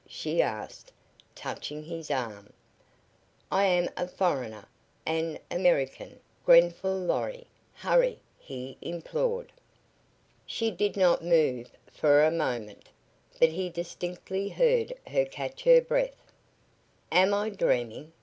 she asked, touching his arm. "I am a foreigner an American Grenfall Lorry! Hurry!" he implored. She did not move for a moment, but he distinctly heard her catch her breath. "Am I dreaming?"